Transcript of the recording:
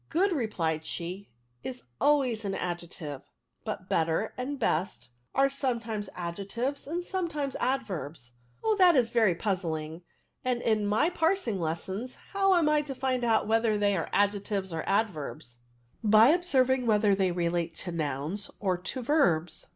" Good," replied she, is always an adjec tive, but better and best are sometimes adjectives, and sometimes adverbs/' " Oh, that is very puzzling; and in my parsing lessons how am I to find out whether they axe a^ectives or adverbs ?"By observing whether they relate to nouns or to verbs.